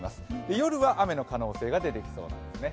夜は雨の可能性が出てきそうなんですね。